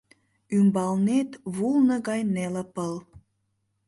Ӱмбалнет вулно гай неле пыл.